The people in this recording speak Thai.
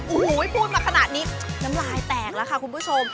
โอ้โหพูดมาขนาดนี้น้ำลายแตกแล้วค่ะคุณผู้ชม